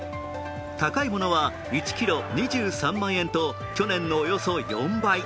高いものは１ｋｇ２３万円と、去年のおよそ４倍。